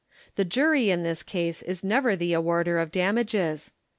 The jury in this case is never the awarder of damages.